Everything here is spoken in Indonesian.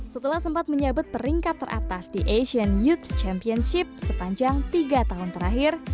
setelah sempat menyebut peringkat teratas di asian youth championship sepanjang tiga tahun terakhir